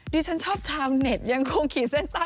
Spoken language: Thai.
ดิฉันชอบชาวเน็ตยังคงขีดเส้นใต้